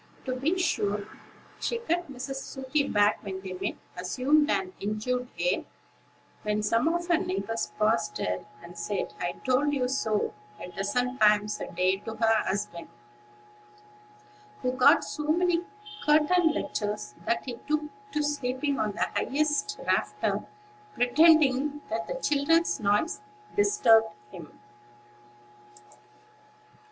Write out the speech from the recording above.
To be sure, she cut Mrs. Sooty back when they met; assumed an injured air, when some of her neighbors passed her; and said, "I told you so," a dozen times a day to her husband, who got so many curtain lectures that he took to sleeping on the highest rafter, pretending that the children's noise disturbed him.